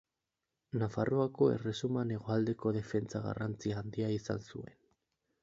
Nafarroako Erresuman hegoaldeko defentsa garrantzi handia izan zuen.